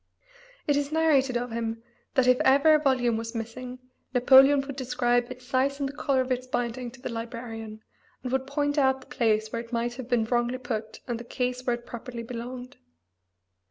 It is narrated of him that if ever a volume was missing Napoleon would describe its size and the color of its binding to the librarian, and would point out the place where it might have been wrongly put and the case where it properly belonged.